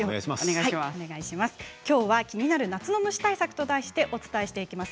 きょうは気になる夏の虫対策と題してお伝えしていきます。